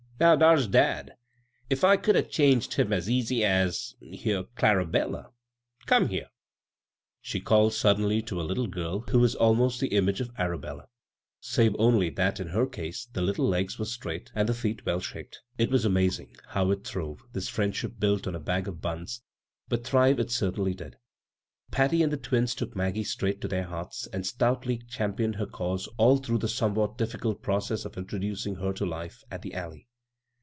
Now rial's dad — if I could 'a' changed him as easy as — here, ClaraUiella, come here," she called suddenly to a litde girl who was almost the image of Arabella, save only that in her case the little legs were straight, and the feet well shaped. It was amazing how it throve — this hiend ship built on a bag of buns, but thrive it cer tainly did. Patty and the twins took Maggie straight to their hearts, and stoutly cham pioned her cause all through the somewhat difficult process of introducing her to life at " the Alley."